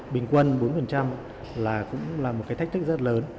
bình quân bốn là cũng là một cái thách thức rất lớn